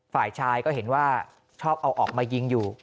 ฝ่ายชายก็เห็นว่าชอบเอาออกมายิงอยู่